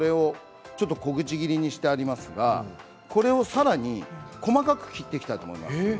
小口切りにしてありますがこれを、さらに細かく切っていきたいと思います。